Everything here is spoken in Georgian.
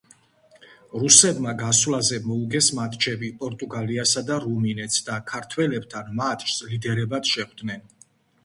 რუსებმა გასვლაზე მოუგეს მატჩები პორტუგალიასა და რუმინეთს და ქართველებთან მატჩს ლიდერებად შეხვდნენ.